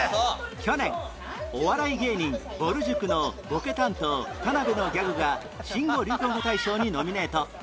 去年お笑い芸人ぼる塾のボケ担当田辺のギャグが新語・流行語大賞にノミネート